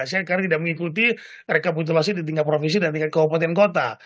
sekarang tidak mengikuti rekapitulasi di tingkat provinsi dan tingkat kabupaten kota